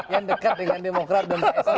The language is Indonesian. yang dekat dengan demokrat dan psi